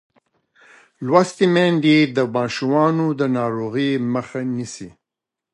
لوستې میندې د ماشومانو د ناروغۍ مخه نیسي.